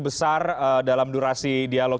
besar dalam durasi dialog